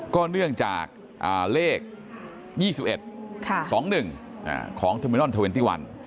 ก็เนื่องจากเลข๒๑๒๑ของเทอมินอล๒๑